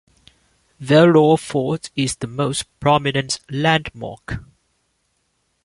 Vellore Fort is the most prominent landmark.